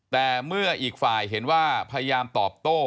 แต่เมื่ออีกฝ่ายเห็นว่าพยายามตอบโต้